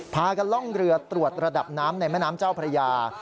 พากันล่องเรือตรวจระดับน้ำในแม่น้ำเจ้าพระยา